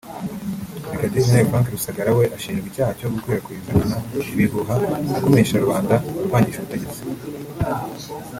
Brig Gen Frank Rusagara we ashinjwa icyaha cyo gukwirakwiza nkana ibihuha agomesha rubanda arwangisha ubutegetsi